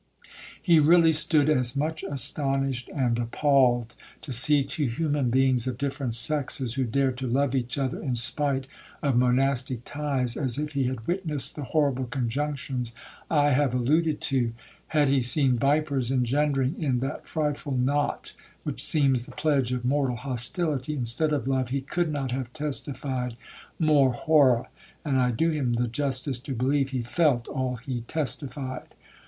He really stood as much astonished and appalled, to see two human beings of different sexes, who dared to love each other in spite of monastic ties, as if he had witnessed the horrible conjunctions I have alluded to. Had he seen vipers engendering in that frightful knot which seems the pledge of mortal hostility, instead of love, he could not have testified more horror,—and I do him the justice to believe he felt all he testified.